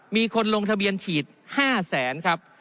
มีคนลงทะเบียนฉีด๕แสนครับ